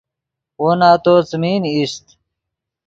وو نتو څیمین ایست